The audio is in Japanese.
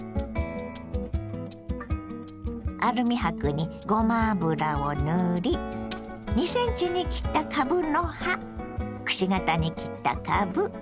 アルミ箔にごま油を塗り２ｃｍに切ったかぶの葉くし形に切ったかぶ。